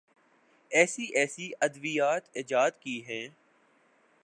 ایسی ایسی ادویات ایجاد کی ہیں۔